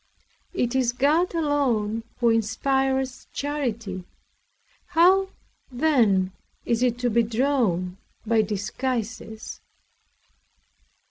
It is God alone who inspires charity; how, then, is it to be drawn by disguises?